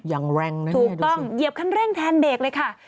ยังแรงนะนี่ดูสิถูกต้องเหยียบคันเร่งแทนเบรกเลยค่ะ